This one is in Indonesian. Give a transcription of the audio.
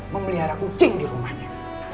memelihara kucing di rumahnya